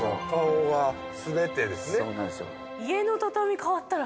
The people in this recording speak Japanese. そうなんですよ。